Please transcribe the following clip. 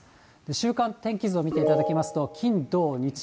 週間天気図を見ていただきますと、金、土、日。